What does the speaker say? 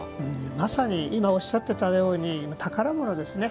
まさに今おっしゃっていたように宝物ですね。